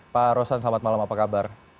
pak rosan selamat malam apa kabar